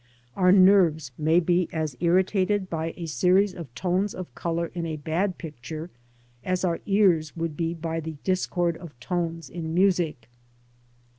Our nerves may be as irritated by a series of tones of colour in a bad picture, as our ears would be by the discord of tones in music.